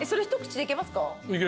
いけるよ。